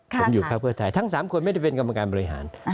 ผมอยู่ภาคเพื่อไทยทั้ง๓คนไม่ได้เป็นกรรมการบริหาร